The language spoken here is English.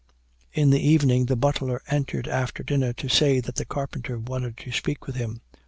In the evening, the butler entered after dinner to say that the carpenter wanted to speak with him.